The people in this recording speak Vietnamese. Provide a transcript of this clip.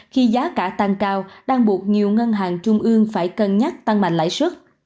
khi giá cả tăng cao đang buộc nhiều ngân hàng trung ương phải cân nhắc tăng mạnh lãi suất